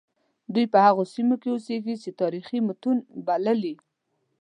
دوی په هغو سیمو کې اوسیږي چې تاریخي متونو بللي.